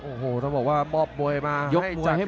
อื้อหือจังหวะขวางแล้วพยายามจะเล่นงานด้วยซอกแต่วงใน